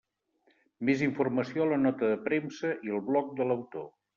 Més informació a la nota de premsa i el bloc de l'autor.